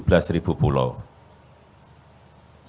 salah satunya adalah pulau jawa